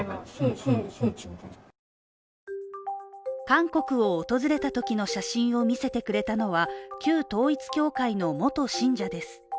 韓国を訪れたときの写真を見せてくれたのは旧統一教会の元信者です。